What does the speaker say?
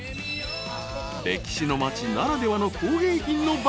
［歴史の町ならではの工芸品の爆